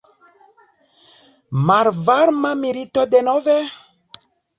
Malvarma milito denove?